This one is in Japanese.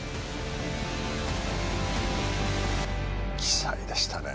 鬼才でしたね。